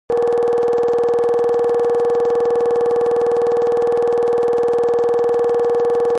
Адыгэбзэр къытӀурызылъхьа ди адэ-анэм щӀыхь яхузощӀ.